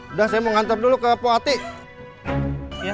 udah saya mau ngantar dulu ke puati ya